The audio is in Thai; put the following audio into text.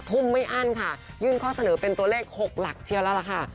ทุ่มไม่อั้นค่ะยื่นข้อเสนอเป็นตัวเลข๖หลักเชียวแล้วล่ะค่ะ